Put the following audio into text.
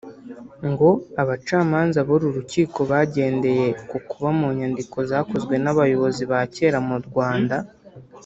ngo abacamanza b’uru rukiko bagendeye ku kuba mu nyandiko zakozwe n’abayobozi ba kera mu Rwanda